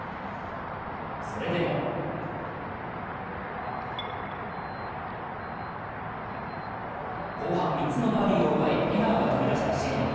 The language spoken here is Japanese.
それでも後半３つのバーディーを奪い笑顔が飛び出した渋野。